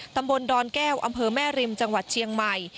ตำบลดอนแก้วอำเภอแม่ริมจังหวัดเชียงใหม่